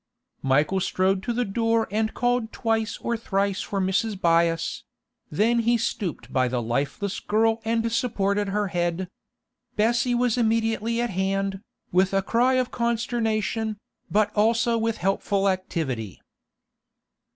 Michael strode to the door and called twice or thrice for Mrs. Byass; then he stooped by the lifeless girl and supported her head. Bessie was immediately at hand, with a cry of consternation, but also with helpful activity.